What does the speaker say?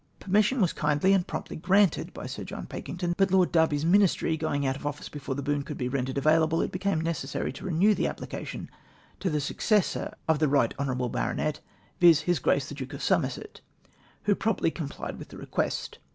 13 Permission was kindly and promptly granted by Sir John Pakington ; bnt Lord Derby's ministry going out of office before the boon could be rendered available, it became necessary to I'enew the application to the suc cessor of the Right Honourable Baronet, viz. his Grace the Duke of Somerset, who as promptly complied with the request.